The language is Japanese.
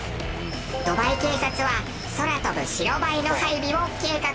ドバイ警察は空飛ぶ白バイの配備を計画。